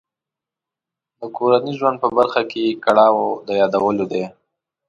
د کورني ژوند په برخه کې یې کړاو د یادولو دی.